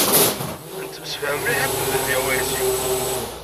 Nettemsefham mliḥ akked Dehbiya u Ɛisiw.